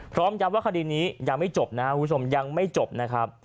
ย้ำว่าคดีนี้ยังไม่จบนะครับคุณผู้ชมยังไม่จบนะครับ